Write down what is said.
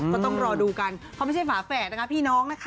ก็ต้องรอดูกันเขาไม่ใช่ฝาแฝดนะคะพี่น้องนะคะ